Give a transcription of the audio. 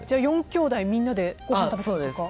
４きょうだいみんなでごはん食べたんですか？